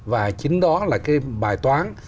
và chính đó là cái bài toán